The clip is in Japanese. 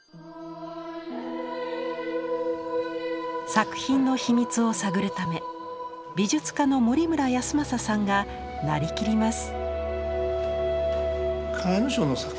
作品の秘密を探るため美術家の森村泰昌さんがなりきります。